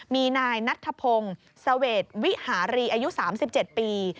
มีนายนัทธพงศ์เสวดวิหารีอายุ๓๗ปี